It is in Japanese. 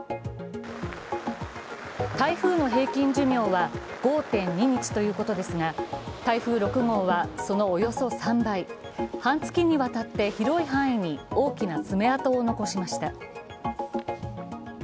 台風の平均寿命は５．２日ということですが台風６号はそのおよそ３倍、半月にわたって広い範囲に大きな爪痕を残しました。